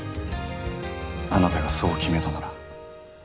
あなたがそう決めたなら。